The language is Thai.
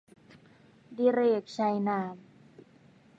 ดิเรก ชัยนาม